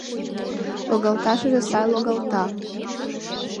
— Логалташыже сай логалта.